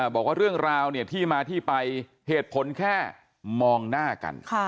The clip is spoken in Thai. บอกว่าเรื่องราวที่มาที่ไปเหตุผลแค่มองหน้ากัน